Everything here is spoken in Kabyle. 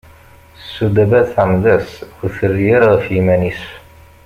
Sudaba tɛemmed-as, ur terri ara ɣef yiman-is.